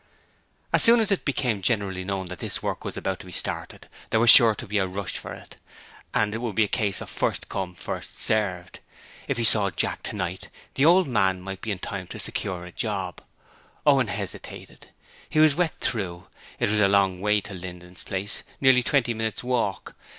As soon as it became generally known that this work was about to be started there was sure to be a rush for it, and it would be a case of first come, first served. If he saw Jack tonight the old man might be in time to secure a job. Owen hesitated: he was wet through: it was a long way to Linden's place, nearly twenty minutes' walk.